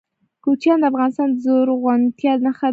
کوچیان د افغانستان د زرغونتیا نښه ده.